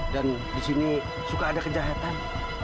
dan disini suka ada kejahatan